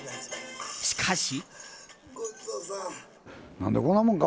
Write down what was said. しかし。